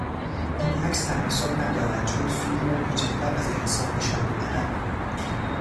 این عکس تناسب ندارد چون فیل را کوچکتر از انسان نشان میدهد.